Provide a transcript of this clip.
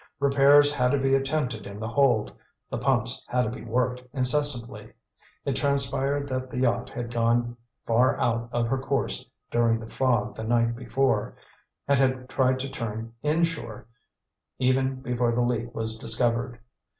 Repairs had to be attempted in the hold; the pumps had to be worked incessantly, It transpired that the yacht had gone far out of her course during the fog the night before, and had tried to turn inshore, even before the leak was discovered.